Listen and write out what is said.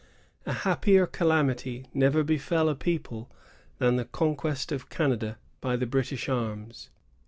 A happier calamity never befell a people than the conquest of Canada by the British arms.